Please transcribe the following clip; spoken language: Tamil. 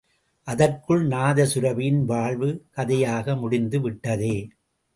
அதற்குள் நாதசுரபியின் வாழ்வு, கதையாக முடிந்துவிட்டதே!